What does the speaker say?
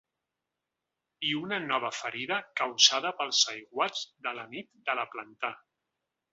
I una nova ferida causada pels aiguats de la nit de la plantà.